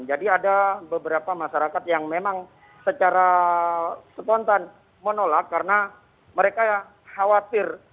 jadi ada beberapa masyarakat yang memang secara spontan menolak karena mereka khawatir